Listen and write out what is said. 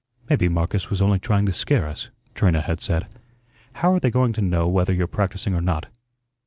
"Maybe Marcus was only trying to scare us," Trina had said. "How are they going to know whether you're practising or not?"